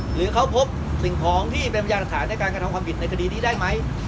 หรือเขาพบสิ่งพร้อมที่เป็นประจำค่าในการกำหนดความผิดในคดีนี้ได้ไหม